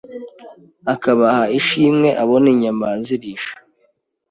akabaha ishimwe abona inyana zirisha